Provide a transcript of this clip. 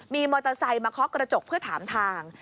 มีมอเตอร์ไซค์มาเคาะกระจกเพื่อถามทาง